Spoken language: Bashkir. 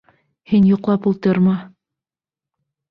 Һин йоҡлап ултырма!